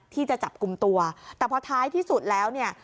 ที่จะจับกลุ่มตัวแต่พอท้ายที่สุดแล้วเนี่ย